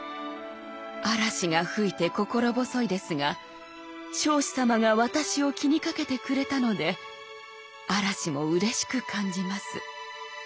「嵐が吹いて心細いですが彰子様が私を気にかけてくれたので嵐もうれしく感じます」。